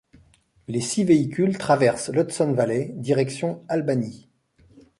Les six véhicules traversent l'Hudson Valley, direction Albany.